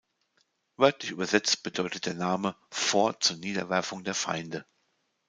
Wörtlich übersetzt bedeutet der Name „Fort zur Niederwerfung der Feinde“.